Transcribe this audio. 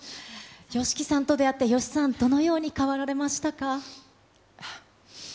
ＹＯＳＨＩＫＩさんと出会って、ＹＯＳＨＩさん、どのように変わられましたか。